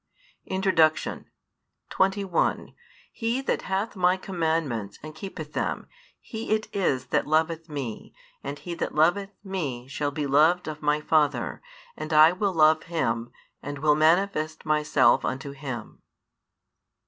[Introduction] 21 He that hath My commandments, and keepeth them, he it is that loveth Me: and he that loveth Me shall be loved of My Father, and I will love him, and will manifest Myself unto him.